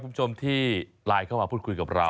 คุณผู้ชมที่ไลน์เข้ามาพูดคุยกับเรา